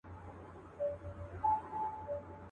درته یادیږي بېله جنګه د خپل ښار خبري؟.